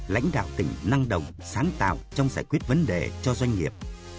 lãnh đạo tỉnh năng động sáng tạo trong giải quyết vấn đề cho doanh nghiệp